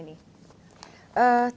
tadi saya sampaikan